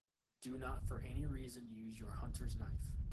Do not for any reason use your hunter’s knife.